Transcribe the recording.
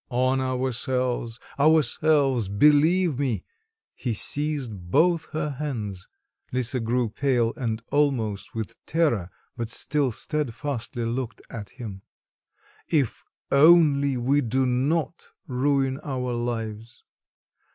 "On ourselves, ourselves, believe me" (he seized both her hands; Lisa grew pale and almost with terror but still steadfastly looked at him): "if only we do not ruin our lives.